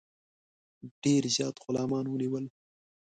ډېر زیات غلامان ونیول.